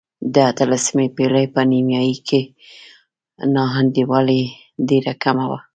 د اتلسمې پېړۍ په نیمايي کې نا انډولي ډېره کمه وه.